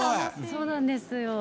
そうなんですよ。